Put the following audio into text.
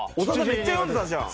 めっちゃ読んでたじゃん！